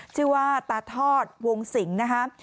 ชื่อว่าตาทอดวงสิงนะคะ